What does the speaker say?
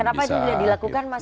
kenapa itu tidak dilakukan mas